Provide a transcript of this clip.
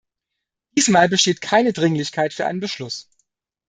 Diesmal besteht keine Dringlichkeit für einen Beschluss.